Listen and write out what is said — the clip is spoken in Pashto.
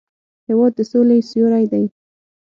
هېواد د سولې سیوری دی.